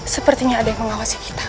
sepertinya ada yang mengawasi kita